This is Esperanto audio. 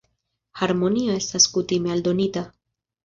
Harmonio estas kutime aldonita.